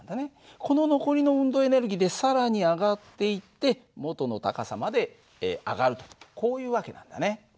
この残りの運動エネルギーで更に上がっていって元の高さまで上がるとこういう訳なんだね。